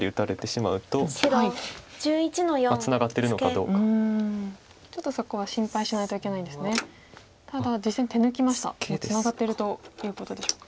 もうツナがってるということでしょうか。